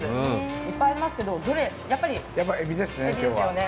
いっぱいありますけどやっぱりエビですよね。